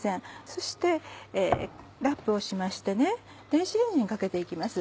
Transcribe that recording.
そしてラップをしまして電子レンジにかけて行きます。